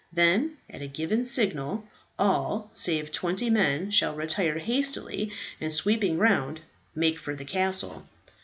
Then, at a given signal, all save twenty men shall retire hastily, and sweeping round, make for the castle.